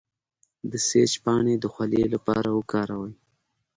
د سیج پاڼې د خولې لپاره وکاروئ